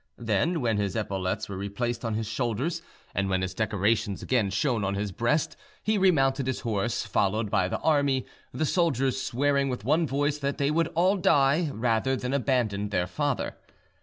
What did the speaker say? Then, when his epaulets were replaced on his shoulders, and when his decorations again shone on his breast, he remounted his horse, followed by the army, the soldiers swearing with one voice that they would all die rather than abandon their father.